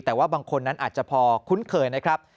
แต่ว่าบางคนนั้นอาจจะพอคุ้นเคยนะครับ